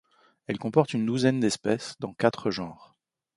Elle comporte une douzaine d'espèces dans quatre genres.